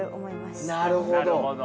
なるほど。